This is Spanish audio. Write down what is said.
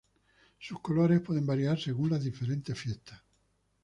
Sus colores pueden varias según las diferentes fiestas.